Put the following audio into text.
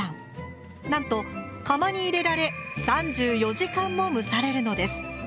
なんと釜に入れられ３４時間も蒸されるのです。